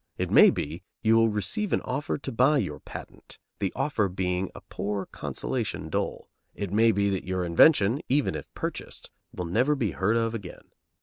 It may be you will receive an offer to buy your patent, the offer being a poor consolation dole. It may be that your invention, even if purchased, will never be heard of again.